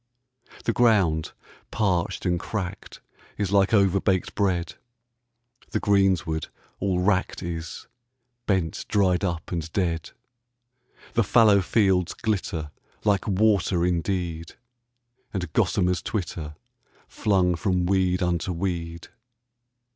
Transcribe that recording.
The ground parched and cracked is like overbaked bread, The greensward all wracked is, bent dried up and dead. The fallow fields glitter like water indeed, And gossamers twitter, flung from weed unto weed.